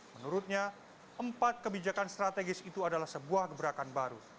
menurutnya empat kebijakan strategis itu adalah sebuah gebrakan baru